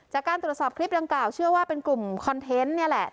จากการตรวจสอบคลิปดังกล่าวเชื่อว่าเป็นกลุ่มคอนเทนต์นี่แหละ